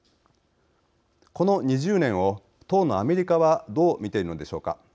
この２０年を当のアメリカはどう見ているのでしょうか。